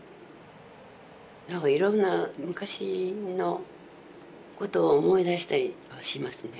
何かいろんな昔のことを思い出したりはしますね。